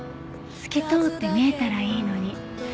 「透き通って見えたらいいのに」。